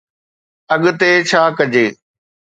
اڳتي ڇا ڪجي؟